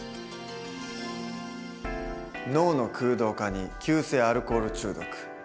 脳の空洞化に急性アルコール中毒。